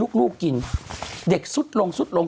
คุณหนุ่มกัญชัยได้เล่าใหญ่ใจความไปสักส่วนใหญ่แล้ว